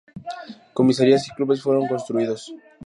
Comisarías y clubes fueron construidos.